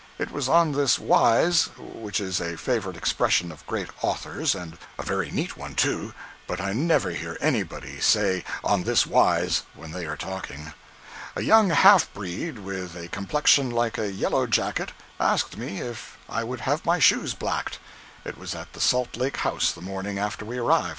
It was on this wise (which is a favorite expression of great authors, and a very neat one, too, but I never hear anybody say on this wise when they are talking). A young half breed with a complexion like a yellow jacket asked me if I would have my boots blacked. It was at the Salt Lake House the morning after we arrived.